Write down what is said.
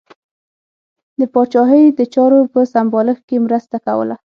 د پاچاهۍ د چارو په سمبالښت کې مرسته کوله.